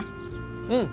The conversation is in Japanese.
うん。